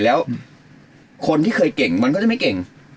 แล้วคนที่เคยเก่งมันก็จะไม่เก่ง